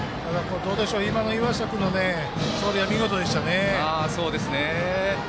今の岩下君の走塁は見事でしたね。